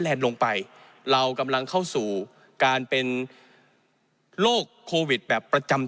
ลงไปเรากำลังเข้าสู่การเป็นโรคโควิดแบบประจำ